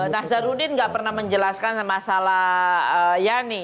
nazarudin nggak pernah menjelaskan masalah yani